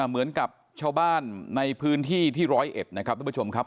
เหมือนกับชาวบ้านในพื้นที่ที่ร้อยเอ็ดนะครับทุกผู้ชมครับ